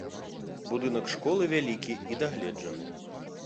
Будынак школы вялікі і дагледжаны.